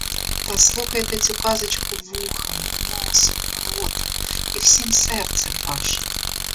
Та слухайте цю казочку вухами, носом, ротом і всім серцем вашим.